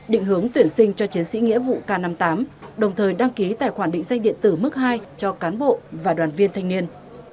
định hướng tuyển sinh cho chiến sĩ nghĩa vụ k năm mươi tám đồng thời đăng ký tài khoản định danh điện tử mức hai cho cán bộ và đoàn viên thanh niên